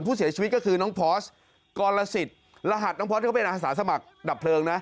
ผู้เสียชีวิตก็คือน้องพอสกรยศิษย์ป็อสเรียกมาเป็นอาศาสตร์สมัครดับเพลิงนะ